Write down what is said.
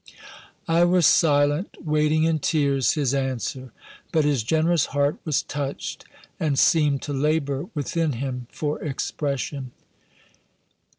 I was silent, waiting in tears his answer. But his generous heart was touched, and seemed to labour within him for expression.